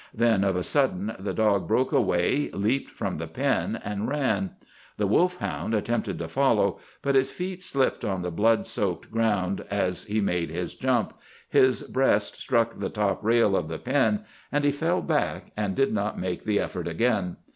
Then of a sudden the dog broke away, leaped from the pen, and ran. The wolf hound attempted to follow, but his feet slipped on the blood soaked ground as he made his jump, his breast struck the top rail of the pen and he fell back, and did not make the effort again.